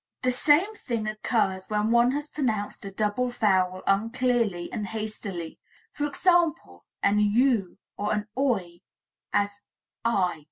The same thing occurs when one has pronounced a double vowel unclearly and hastily; for example, an "eu" or an "oi" as "ei."